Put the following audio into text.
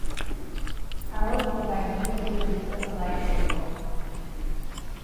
"Hallowed Be Thy Name" was released as a live single.